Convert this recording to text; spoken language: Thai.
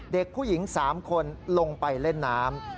เด็กผู้หญิง๓คนลงไปเล่นน้ำ